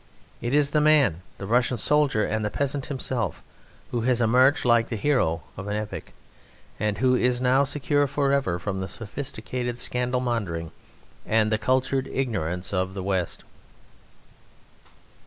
It is the man the Russian soldier and peasant himself who has emerged like the hero of an epic, and who is now secure for ever from the sophisticated scandal mongering and the cultured ignorance of the West.